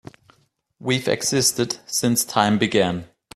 We've existed since time began.